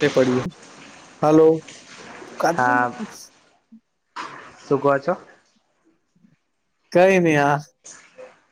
[unintelligible] હાલો હા [inaudible] શું કો છો? કઈ નહી હા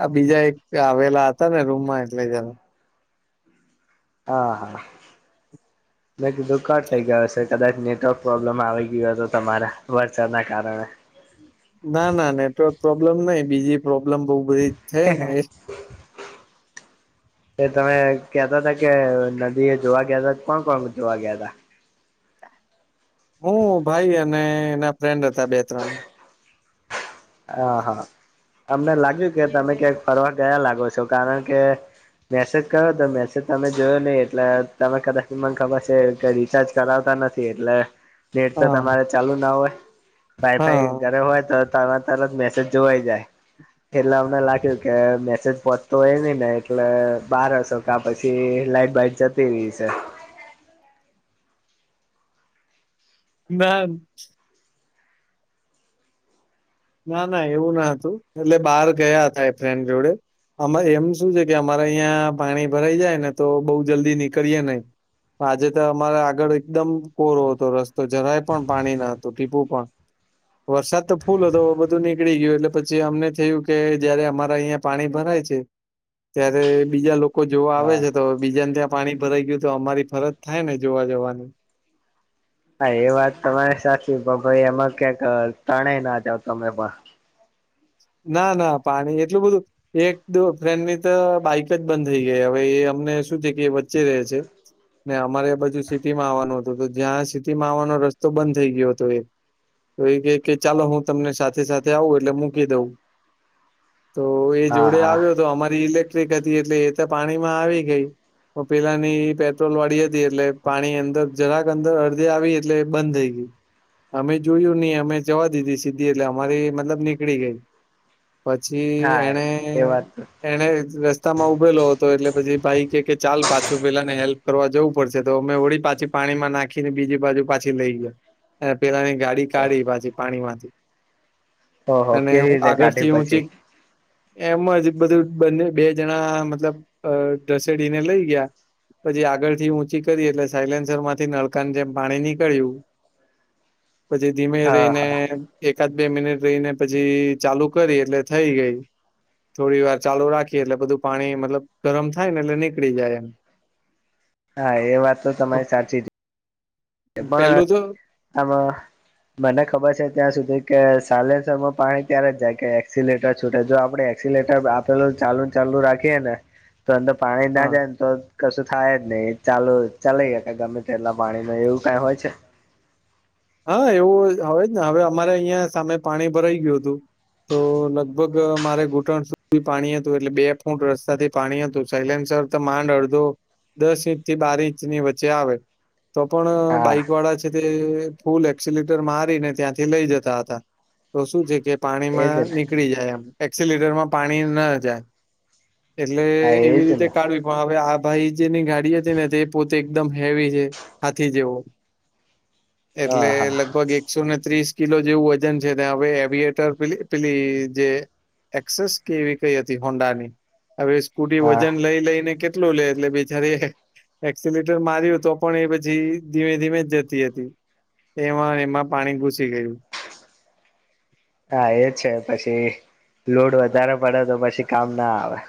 આ બીજા એક આવેલા હતા ને રૂમમાં એટલે જરાક. હા હા મે કીધું કટ થઇ ગયા હશે કદાચ નેટવર્ક પ્રોબ્લેમ આવી ગયો હતો તમારે વરસાદના કારણે. ના ના નેટવર્ક પ્રોબ્લેમ નઈ બીજી પ્રોબ્લેમ બઉ બધી છે ને એ [inaudible] એ તમે કેતા હતા કે નદી એ જોવા ગયા તા કોણ કોણ જોવા ગયા તા? હું ભાઈ અને એના ફ્રેન્ડ હતા બે ત્રણ. હા હા અમને લાગ્યું કે તમે ક્યાંક ફરવા ગયા લાગો છો કારણ કે મેસેજ કર્યો તો મેસેજ તમે જોયો નહી એટલે તમે કદાચ મને ખબર છે કે રિચાર્જ કરાવતા નથ એટલે નેટ તો હા તમારે ચાલુ ના હોય વાઇફાઈ હા ઘરે હોય તો તમે તરત મેસેજ જોવાઈ જાય. એટલે અમને લાગ્યું કે મેસેજ પહોચતો હોય ની ને એટલે બાર હશે કા પછી લાઈટ બાઈટ જતી રહી હશે. ના. ના ના એવું ના હતું એટલે બહાર ગયા હતા એ ફ્રેન્ડ જોડે. આમાં એમ શું છે કે અમારે અહિયા પાણી ભરાઈ જાય ને તો બોવ જલ્દી નીકળીએ નહી. આજે તો અમારે આગળ એકદમ કોરો હતો રસ્તો જરાય પણ પાણી ના હતું ટીપું પણ. વરસાદ તો ફૂલ હતો. બધું નીકળી ગયું એટલે પછી અમને થયું કે જયારે અમારા અહિયાં પાણી ભરાય છે. ત્યારે બીજા લોકો જોવા આવે હા. છે તો બીજાને ત્યાં પાણી ભરાઈ ગયું તો અમારી ફરજ થાય ને જોવા જવાની. હા એ વાત તમારી સાચી પણ ભાઈ એમાં ક્યાંક તણાઈ ના જાવ તમે પણ. ના ના પાણી એટલું બધું એક દ ફ્રેન્ડની તો બાઈક જ બંધ થઈ ગઈ હવે એ અમને શું છે કે વચ્ચે રહે છે. ને અમારે બાજુ સિટીમાં આવવાનું હતું તો જ્યાં સિટીમાં આવવાનો રસ્તો બંધ થઈ ગયો હતો એ. તો એ કે કે ચાલો હું તમને સાથે સાથે આવું એટલે મૂકી દઉં. તો એ હા જોડે હા. આવ્યો તો અમારી ઇલેક્ટ્રિક હતી એટલે એ તો પાણીમાં આવી ગઈ. પેલાની પેટ્રોલ વાળી હતી એટલે પાણી અંદર જરાક અંદર અડધી આવી એટલે બંધ થઈ ગય. અમે જોયું નઈ અમે જવા દીધી સીધી એટલે અમારી મતલબ નીકળી ગઈ. પછી હા એણે એ વાત એણે રસ્તામાં ઉભેલો હતો એટલે પછી ભાઈ કે ચાલ પાછો પેલા ને હેલ્પ કરવા જવું પડશે તો અમે વળી પાછી પાણીમાં નાખીને બીજી બાજુ પાછી લઈ ગયો. અને પેલાની ગાડી કાઢી પાછી પાણીમાંથી ઓહો કે જા આગરથી ઊંચી એમ જ બધું બને બે જણા મતલબ ઘસેડીને લઈ ગયા. પછી આગળથી ઊંચી કરી એટલે સાયલેન્સર માંથી નળકાની જેમ પાણી નીકળ્યું. પછી ધીમે હા રહીને હા. એકાદ બે મિનિટ રહીને પછી ચાલુ કરી એટલે થઈ ગઈ. થોડી વાર ચાલુ રાખીએ એટલે બધું પાણી મતલબ ગરમ થાય ને એટલે નીકળી જાય એમ. [unintelligible] હા એ વાત તો તમારી સાચી જ પેલું પણ તો આમાં મને ખબર છે ત્યાં સુધી કે સાઈલેન્સરમાં પાણી ત્યારે જાય કે એક્સિલેટર છૂટે જો આપડે એક્સિલેટર આપેલું ચાલુ ને ચાલુ રાખીએે ને તો અંદર પાણી ના હા જાય ને તો કશું થાય જ નહી એ ચાલુ ચાલ ગમે તે એટલા પાણી ન એવું કઈ હોય છે. હા એવું હવે જ ને હવે અમારે અહિયાં સામે પાણી ભરાઈ ગયું હતું તો લગભગ મારે ઘૂંટણ સુધી પાણી હતું એટલે બે ફૂટ રસ્તાથી પાણી હતું સયલેન્સર તો માંડ અડધો દસ ઇંચ થી બાર ઇંચ ની વચ્ચે આવે. તો પણ હા બાઈક વાળા છે તે ફૂલ એકસીલેટર મારીને ત્યાંથી લઈ જતા હતા તો શું છે કે પાણીમાં એજ ને ની કળી જાય એમ એકસીલેટરમાં પાણી ના જાય એટલે હા એવી એજ રીતે ને કાઢવી- હવે આ ભાઈ જેની ગાડી હતી ને તે પોતે એકદમ હેવી છે હાથી જેવો. હા એટલે હા લગભગ એક એકસો ને ત્રીસ કિલો જેવું વજન છે ને હવે એવિએટર પેલી જે એક્સેસ કેવી કઈ હતી હોન્ડા ની હવે સ્કૂટી હા વજન લઈ લઈને કે કેટલું લે એટલે બિચારી. એક્સલેટર માર્યું તો પણ એ પછી ધીમે ધીમે જ જતી હતી. એમાં એમાં પાણી ઘુસી ગયું. હા એ છે પછી લોડ વધારે પડે તો પછી કામ ના આવે.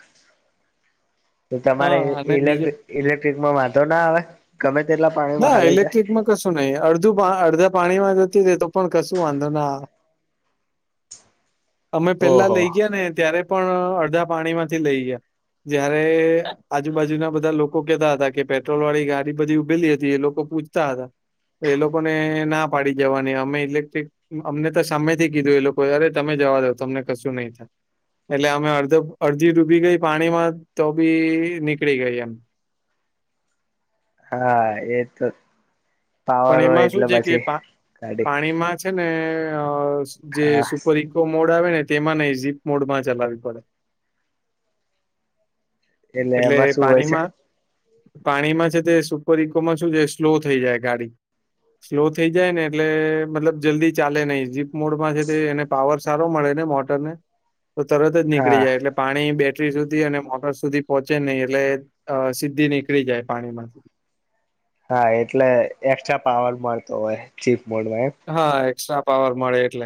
તો તમારે હા અને ઇલેક બીજું ઇલેક્ટ્રિકમાં વાંધો ના આવે ગમે તેટલા પા ના ઇલેક્ટ્રિકમાં કશું નઈ અડધું અડધા પાણીમાં જતુ રે તો પણ કશું વાંધો ના અમે પેલા ઓહો લઈ ગયા ને ત્યારે પણ અડધા પાણી માંથી લઈ ગયા જયારે આજુબાજુના બધા લોકો કેતા હતા કે પેટ્રોલ વાળી ગાડી બધી ઉભેલી હ તી એ લોકો પૂછતા હતા એ લોકોને ના પાડી જવાની અમે ઇલેક્ટ્રિક અમને તો સામેથી કીધું એ લોકો અરે તમે જવા દો તમને કશું નહીં થાય એટલે અમે અડધે અડધી ડૂબી ગઈ પાણીમાં તો બી નીકળી ગઈ એમ હા એ તો પાવર પણ હોય એમાં શું એટલે છે કે પછી પા કાઢી પાણીમાં છે, ને અ જે સુપર ઈકો મોડ આવે ને તેમાં નહી ઝીપ મોડમાં ચલાવી પડે એટલે એમાં શું હોય છે પાણીમાં પાણીમાં છે, તે સુપર ઈકોમાં શું જે સ્લો થઈ જાય ગાડી સ્લો થઈ જાય ને એટલે મતલબ જલ્દી ચાલે નહી જીપ મોડમાં છે, તે એને પાવર સારો મળે ને મોટર ને તો તરત જ હા નીકળી જાય એટલે પાણી બેટરી સુધી અને મોટર સુધી પોહોંચે નહી એટલે અ સીધી નીકળી જાય પાણીમાંથી હા એટલે એક્સ્ટ્રા પાવર મળતો હોય જીપ મોડમાં એમ હા એક્સ્ટ્રા પાવર મળે એટલે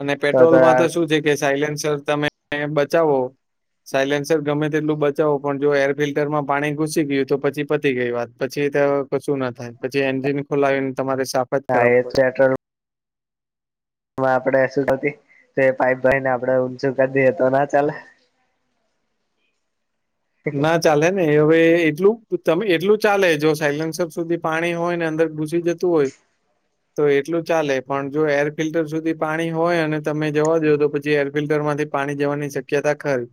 અને પેટ્રોલમાં તો શું છે, કે સાયલેન્સર તમે બચાવો સાયલેન્સર ગમે તેટલું બચાવો પણ જો એર ફિલ્ટરમાં પાણી ઘુસી ગયું તો પછી પતી ગઈ વાત પછી તો કશું ના થાય પછી એન્જિન ખોલાવીને તમારે સા હા એ [unintelligible] એમાં આપણે શુંતી તો એ પાઈપ ભાઈ ને આપડે ઊંચું કરી દએ તો ના હા. ચાલે ના ચાલે ને હવે એટલું તમે એટલું ચાલે જો સાયલન્સર સુધી પાણી હોય ને અંદર ઘુસી જ તુ હોય તો એટલું ચાલે પણ જો એર ફિલ્ટર સુધી પાણી હોય અને તમે જવા દો તો પછી એર ફિલ્ટર માંથી પાણી જવાની શક્યતા ખરી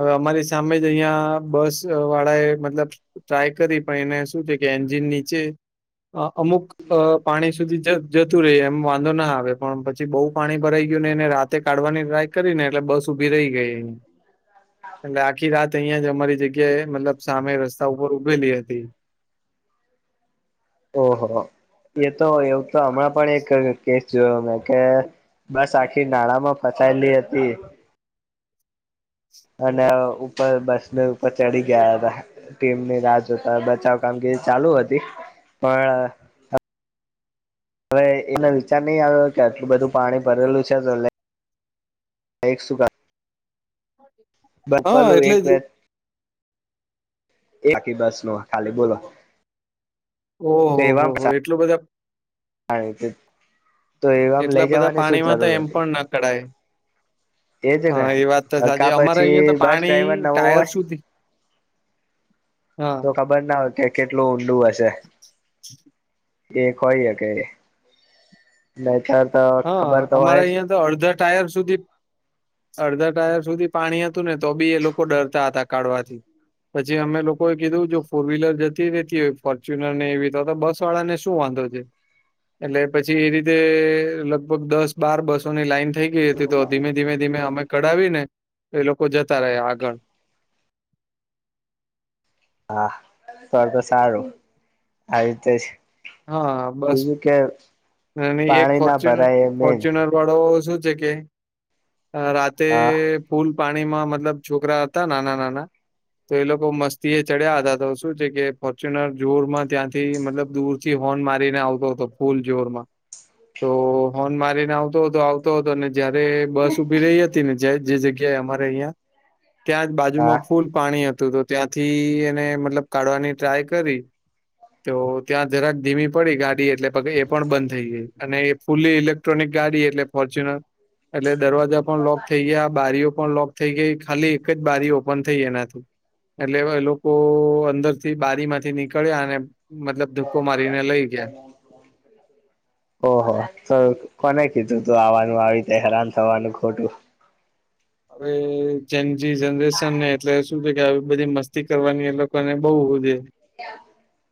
હવે અમારી સામે અહિંયા બસ વાળા એ મતલબ ટ્રાય કરી પણ એને શું છે, કે એન્જિન નીચે અ અમુક અ પાણી સુધી જ જતું રહેે એમ વાંધો ના આવે પણ પછી બો પાણી ભરાઈ ગયું ને એને રા તે કાઢવાની ટ્રાય કરી ને એટલે બસ ઉભી રહી ગઈ એટલે આખી રાત અહિયાં જ અમારી જગ્યાએ મતલબ સામે રસ્તા ઉપર ઉભેલી હતી. ઓહો એ તો એવુંતો હમણાં પણ એક કેસ જોયો મેં કે બસ આખી નાણામાં ફસાયેલી હતી. અને ઉપર બસ ને ઉપર ચડી ગયા હતા. ટીમની રાહ જોતા બચાવ કામગીરી ચાલુ હતી પણ હવે એનો વિચાર નહીં આવ્યો કે આટલું બધું પાણી ભરેલું છે, [unintelligible] એક સુ [inaudible] હા બપાલું એટલે એક જ વેત એ આખી બસનો ખાલી બોલો ઓહો હો એટલું બધા હા તો એમ લઈ જવાની શું જરૂર હતી કડાય એજ ને હા એ વાત તો કા સાચી અમારે પછી અહિયાં તો બસ પાણી ડ્રાઈવર નવો ટાયર હોય સુધી હા. ખબરના હોય કે કેટલું ઊંડું હશે કે હોય કે બેચાર તો ખબર તો હોય જ ત અડધા ટાયર સુધી અડધા ટાયક સુધી પાણી હતું ને તો બી એ લોકો ડરતા હતા કાઢવાથી. પછી અમે લોકોએ કીધું જો ફોર વ્હીલર જતી રતી હોય ફોર્ચ્યુનર ને એવી બસ વાળાનેું વાંધો. એટલે પછી એ રીતે. લગભગ દસ બાર બસોની લાઈન થઈ ગઈ હતી તો ધીમે ધીમે ધીમે અમે કઢાવી ને. તો એ લોકો જતા રહે આગળ. હા સરર તો સારું આવી રીતે. હા બસ બીજું કે અને એક પાણી ના ફોર્ચ્યુનર ભરાય એ મેન ફોર્ચ્યુનર. વાળો શું છે કે રાતે. હા ફૂલ પાણીમાં મતલબ છોકરા હતા નાના નાના. તો એ લોકો મસ્તી એ ચડ્યા હતા તો શું છે કે ફોર્ચ્યુનર જોરમાં ત્યાંથી મતલબ દૂર. પછી હોર્ન મારીને આવતો હતો ફૂલ જોર માં. તો હોન મારીને આવતો હતો આવતો હતો અને. જયારે બસ ઉઊભી રહી હતી ને જે જગ્યાએ અમારે અહં. ત્યાં જ હા બાજુમાં ફૂલ પાણી હતું તો. ત્યાંથી એને મતલબ કાઢવાની ટ્રાય કરી તો ત્યાં. જરાક ધીમી પડી ગાડી એટલે પગ એ પણ બંધ થઈ ગઈ. અને એ ફુલ્લી ઇલેક્ટ્રોનિક ગાડી એટલે ફોર્ચ્યુનર. એટલે દરવાજા પણ લોક થઈ ગયા બારીઓ. પણ લોક થઈ ગઈ ખાલી એકજ બારી ઓપન થઈ એનાથીું. એટલે એ લોકો અંદર થી બારી માંથી નીકળ્યા અને મતલબ. કુમારીને લઈ ગયા. ઓહ તો કોને કીધું તું આવવાનું આવીતે હેરાન થવાનું ખોટું. હવે જેમજી જનરેશન ને એટલે શું છે કે આવ. બધી મસ્તી કરવાની એ લોકો ને બઉુે. [inaudible]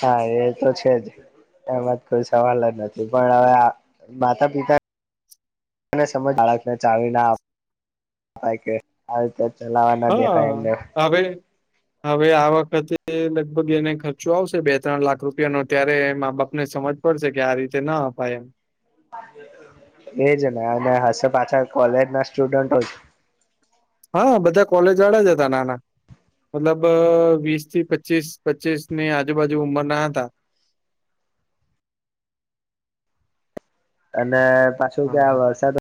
હા એ તો છે જ. એમાંજ કોઈ સવાલજ નથી પણ હવે માતા પિતા. સમજ બાળકને ચાવવીના રીતે. ચલાવાના દેખાય એમને. તબે. હવે આ વખતે લગભગ એને ખર્ચો આવશે બે ત્રણ લાખ રૂપિયાનોો ત્યારે મા બાપ ને સમજ. પડશે કે આ રીતે ના અપાય એમ એજ ને અને હશે પાછા કોલેજ ના સ્ટુડન્ટો હા બધા કોલેજ વાળા જ હતા નાના મતલબ વીસ થી પચીસ પચીસ ની આજુબાજુ ઉંમર ના હતા. અને પાછું હા ક્યાં વરસાદ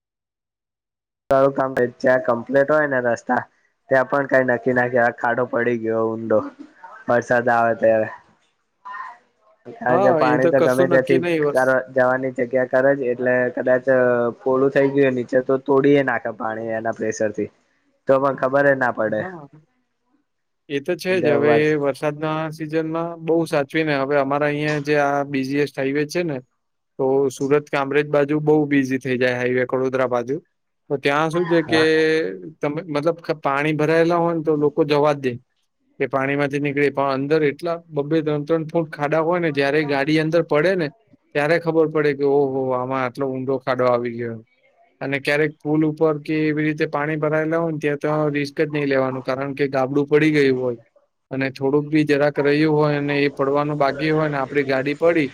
સારું કામ ત્યાં કમ્પ્લીટ હોય ને રસ્તા ત્યાં પણ કઈ નક્કી નાખ્યા ખાડો પડી ગયો ઊંડો વરસાદ આવે ત્યારે [inaudible] કારણ કે હા એ પાણી તો ગમે કશું નક્કી નહી વર્ષ ત્યાં જવાની જગ્યા કરે જ એટલે કદાચ પોળું થઈ ગયું નીચે તો તોડી નાખે પાણી એના પ્રેશર થી તો પણ ખબર ના પડેવર હા એ તો છે જ હવે વરસાદના સિઝન માં બહુ સાચવી ને હવે અમારે અહીં જે આ બિઝીએસ્ટ હાઈવે છે, ને તો સુરત કામરેજ બાજુ બહુ બીઝી થઈ જાય હાઈવે વડોદરા બાજુ તો ત્યાં શું છે, કે હા તમે મતલબ પાણી ભરાયેલા હોય ને તો લોકો જવા જ દે કે પાણી માંથી નીકળે પણ અંદર એટલા બબે ત્રણ ત્રણ ફૂટ ખાડા હોય ને જયારે ગાડી અંદર પડે ને ત્યારે ખબર પડે કે ઓહ આમાં આટલો ઊંડો ખાડો આવી ગયો અને ક્યારેક પુલ ઉપર કે એવી રીતે પાણી ભરાયેલા હોય. તો રિસ્ક જ નહીં લેવાનું કારણ કે ગાબડું પડી ગયું હોય. અને થોડુંક બી જરાક રહ્યું હોય અને એ પડવાનું બાકી હોય ને આપડી ગાડી પડી.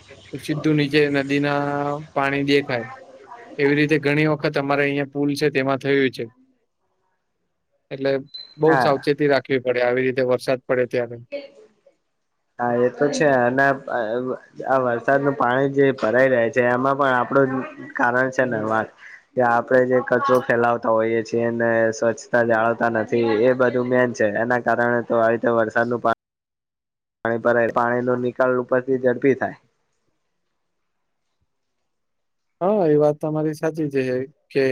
સીધું નીચે નદી ના પાણી દેખાય. એવી રીતે ઘણી વખત અમારે અહિયાં પુલ છે, તેમાં થયું છે. એટલે બઉ હા સાવચેતી રાખવી પડે આવી રીતે વરસાદ પડે ત્યારે. [unintelligible] હા એ તો છે, અને આ વરસાદનું પાણી જે ભરાઈ રહ્યા છે. જે એમાં પણ આપડું કારણ છે, ને વાત કે આપડે જે કચરો ફેલાવતા હોઈએ છીએ એને સ્વચ્છતા જાળવતા નથી એ બધું મેન એના કારણે તો આવી રતે વરસાદ ન પા પાણી ભ પાણી ન નિકાલ ઉપરથી ઝડપી થાય. હા એ વાત તમારી સાચી છે. કે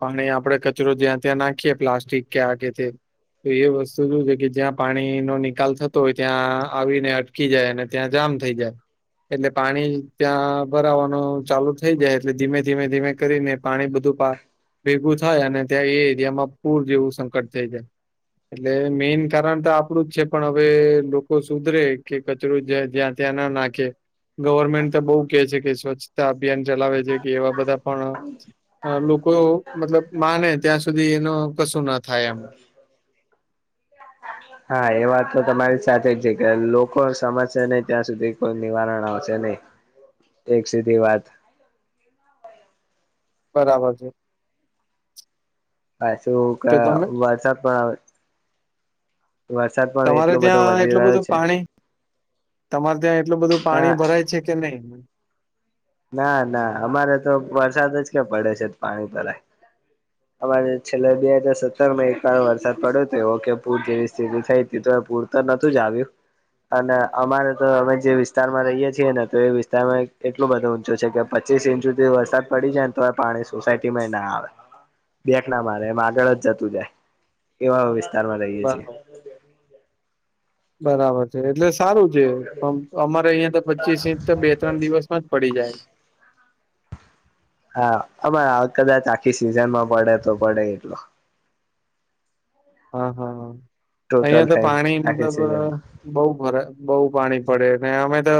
પાણી આપડે કચરો જ્યાં ત્યાં નાખીએ પ્લાસ્ટિક કે આ કે તે. તો એ વસ્તુ શ છે, કે જ્યાં પાણી નો નિકાલ થતો હોય ત્યાં આવીને કી જાય અને ત્યાં જામ થઈ જાય એટલે પાણી ત્યાં ભરાવાનું ચાલુ જ. થઈ જાય એટલે ધીમે ધીમે ધીમે કરીને પાણી બધું. ભેગું થાય અને ત્યાં એ એરિયામાં પૂર જેવું સંકટ થાય જાય. એટલે મેઈન કારણ તો આપડું જ છે, પણ હવે લોકો સુધરે કે કચરું જ જ્યાં ત્યાં ના નાખે ગવર્મેન્ટ તો બહુ કે છે, કે સ્વચ્છતા અભિયાન ચલાવે છે, કે એવા બધા પણ લોકો મતલબ માને ત્યાં સુધી એનો કશું ના થાય એમ. હા એ વાત તો તમારી સાથે જ છે, કે લોકો સમજશે નહી ત્યાં સુધી કોઈ નિવારણ આવશે. ન એક સીધી વાત. બરાબર છે. હછું કે તો તમે વરસાદ પણ આવે. તમારે એટલો બધો ત્યાં વધી એટલું રહ્યો બધું છે પાણી તમારે ત્યાં એટલું બધું ના પાણી ભરાય છે, કે નહી? ના ના અમારે તો વરસાદ જ કે પડે છે, પાણી ભરાય. [inaudible] અમારે છેલ્લા બે હાજાર સત્તર માં એક વાર વરસાદ પડ્યો હતો એવ કે પૂર જેવી સ્થિતિ થઈ હતી તો પૂર તો નથી જ આવ્યું અને અમારે તો અમે જે વિસ્તાર માં રહીએ છીએ ને તો એ વિસ્તારમાં એટલું બધું. છે કે પચીસ ઇંચ સુધી વરસાદ પડી જાય ને તો પાણી સોસાયટીમાં ના આવે. બેક ના મારે એમ આગળ જ જતું જાય એવા વિસ્તારમાં રહીએ છીએ. બરાબર બરાબર છે એટલે સારું છે અમારે અહિયાં તો પચીસ ઇંચ તો બે ત્રણ દિવસ પડી જાય. હા આ કદાચ આખી સિઝનમાં પડે તો પડે એટલો. હા હા હા અ ટોટલ અયા તો થઈને પાણી આખી મતલબ સિઝનમાં બઉરા બહુ પાણી પડે અમે તો